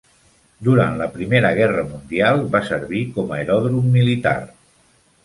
Durant la Primera Guerra Mundial, va servir com a aeròdrom militar.